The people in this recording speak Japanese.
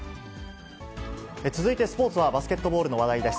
続いてスポーツはバスケットボールの話題です。